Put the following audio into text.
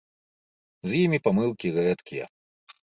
З імі памылкі рэдкія.